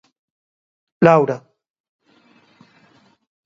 Laura.